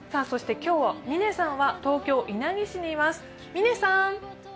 そして今日、嶺さんは東京・稲城市にいます。